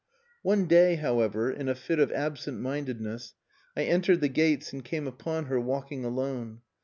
One day, however, in a fit of absent mindedness, I entered the gates and came upon her walking alone.